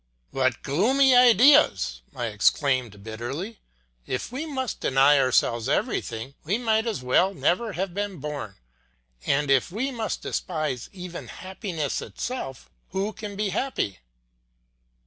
"What gloomy ideas!" I exclaimed bitterly. "If we must deny ourselves everything, we might as well never have been born; and if we must despise even happiness itself who can be happy?"